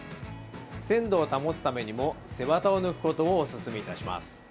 鮮度を保つためにも、背ワタを抜くことをおすすめいたします。